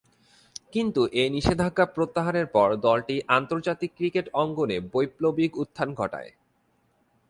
কিন্তু, এ নিষেধাজ্ঞা প্রত্যাহারের পর দলটি আন্তর্জাতিক ক্রিকেট অঙ্গনে বৈপ্লবিক উত্থান ঘটায়।